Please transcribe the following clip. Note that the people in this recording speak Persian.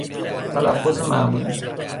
تلفظ معمولی